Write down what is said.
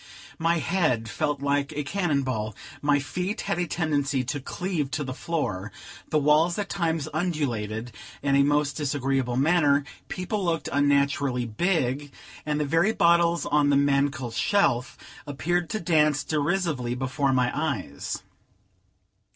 My head felt like a cannon ball; my feet had a tendency to cleave to the floor; the walls at times undulated in a most disagreeable manner; people looked unnaturally big; and the "very bottles on the mankle shelf" appeared to dance derisively before my eyes.